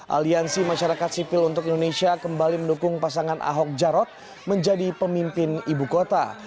aliansi masyarakat sipil untuk indonesia kembali mendukung pasangan ahok jarot menjadi pemimpin ibu kota